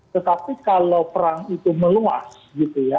tetapi kalau perang itu meluas gitu ya